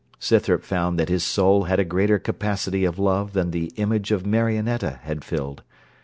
Scythrop found that his soul had a greater capacity of love than the image of Marionetta had filled.